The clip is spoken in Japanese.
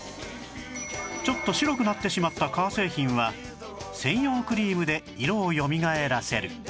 ちょっと白くなってしまった革製品は専用クリームで色をよみがえらせる